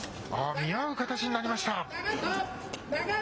見合う形になりました。